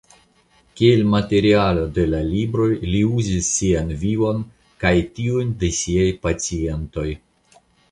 Kiel materialo de la libroj li uzis sian vivo kaj tiujn de siaj pacientoj.